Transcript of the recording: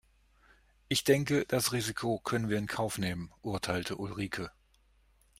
Ich denke das Risiko können wir in Kauf nehmen, urteilte Ulrike.